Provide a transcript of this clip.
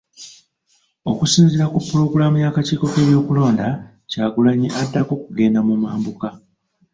Okusinziira ku pulogulaamu y'akakiiko k'ebyokulonda, Kyagulanyi addako kugenda mu mambuka .